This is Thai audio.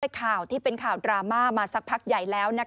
เพราะเมื่อนี้ก็ไปข่าวที่เป็นข่าวดราม่ามาสักพักใหญ่แล้ว